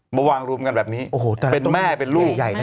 มาวางรวมกันแบบนี้เป็นแม่เป็นลูกใหญ่